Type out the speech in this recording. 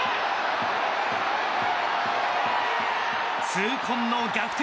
痛恨の逆転